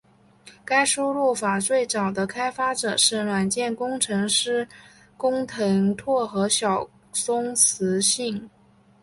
该输入法最早的开发者是软件工程师工藤拓和小松弘幸。